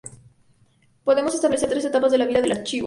Podemos establecer tres etapas en la vida del Archivo.